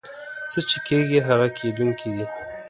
څه چې کېږي هغه کېدونکي دي.